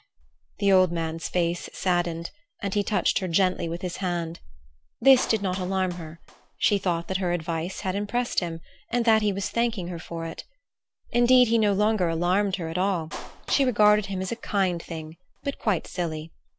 The old man's face saddened, and he touched her gently with his hand. This did not alarm her; she thought that her advice had impressed him and that he was thanking her for it. Indeed, he no longer alarmed her at all; she regarded him as a kind thing, but quite silly.